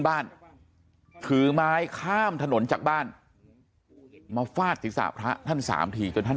บ้านถือไม้ข้ามถนนจากบ้านมาฟาดศีรษะพระท่านสามทีจนท่าน